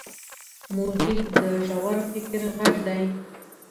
موزیک د ژور فکر غږ دی.